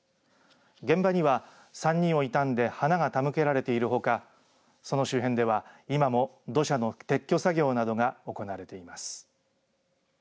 現場には３人を悼んで花が手向けられているほかその周辺では今も土砂の撤去作業などが行われています。